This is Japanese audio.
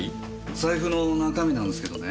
財布の中身なんすけどね。